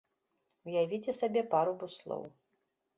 Уявіце сабе пару буслоў.